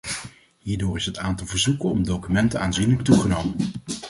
Hierdoor is het aantal verzoeken om documenten aanzienlijk toegenomen.